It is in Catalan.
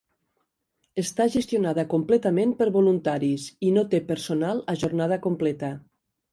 Està gestionada completament per voluntaris i no té personal a jornada completa.